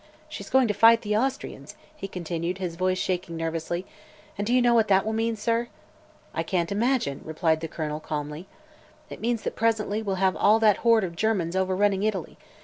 She's going to fight the Austrians," he continued, his voice shaking nervously, "and do you know what that will mean, sir?" "I can't imagine," replied the Colonel calmly. "It means that presently we'll have all that horde of Germans overrunning Italy.